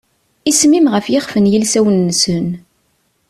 Isem-im ɣef yixef n yilsawen-nsen.